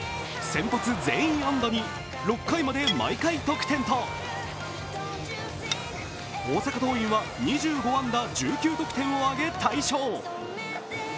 先発全員安打に、６回まで毎回得点と大阪桐蔭は２５安打１９得点を挙げ大勝。